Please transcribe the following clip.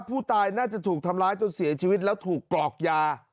ผู้ตายน่าจะถูกทำร้ายจนเสียชีวิตแล้วถูกกรอกยา